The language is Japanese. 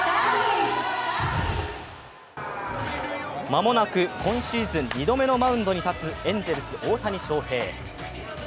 間もなく今シーズン２度目のマウンドに立つエンゼルス・大谷翔平。